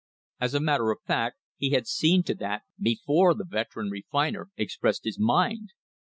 As a matter of fact he had seen to that before the "veteran refiner" expressed his mind.